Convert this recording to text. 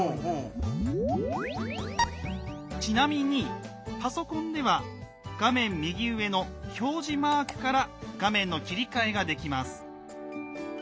ちなみにパソコンでは画面右上の「表示」マークから画面の切り替えができます。